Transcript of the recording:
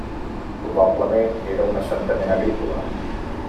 Probablement era un assentament agrícola.